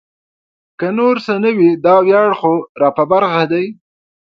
که نور څه نه وي دا ویاړ خو را په برخه دی.